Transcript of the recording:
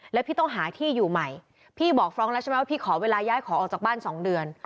แล้วพี่ต้องหาที่อยู่ใหม่พี่บอกฟรองก์แล้วใช่ไหมว่าพี่ขอเวลาย้ายขอออกจากบ้าน๒เดือน